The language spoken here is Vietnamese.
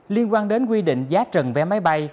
liên quan đến quy định giá trần vé máy bay